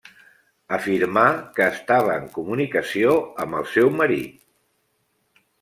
Afirmà que estava en comunicació amb el seu marit.